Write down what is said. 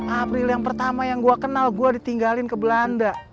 april yang pertama yang gue kenal gue ditinggalin ke belanda